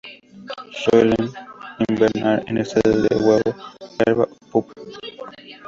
Suelen hibernar en estadios de huevo, larva o pupa.